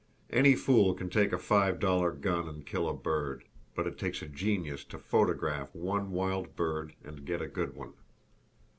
Any fool can take a five dollar gun and kill a bird; but it takes a genius to photograph one wild bird and get "a good one."